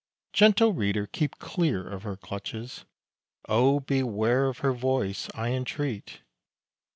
Gentle Reader, keep clear of her clutches! O beware of her voice, I entreat!